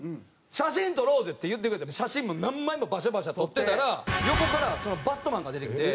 「写真撮ろうぜ」って言ってくれて写真もう何枚もバシャバシャ撮ってたら横からバットマンが出てきて。